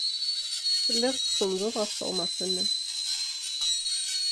Telliḍ tsenndeḍ ɣef tɣemmar-nnem.